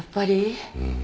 うん。